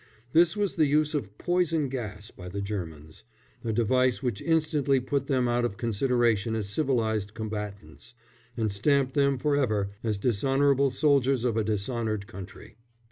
This was the use of poison gas by the Germans a device which instantly put them out of consideration as civilised combatants, and stamped them for ever as dishonourable soldiers of a dishonoured country.